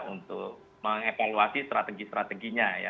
untuk mengevaluasi strategi strateginya ya